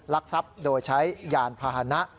ลักทรัพย์โดยใช้ยานพาหนะ